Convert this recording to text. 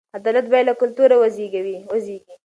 عدالت باید له کلتوره وزېږي.